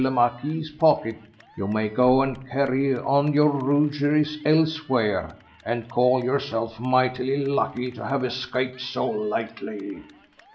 le Marquis's pocket you may go and carry on your rogueries elsewhere and call yourself mightily lucky to have escaped so lightly."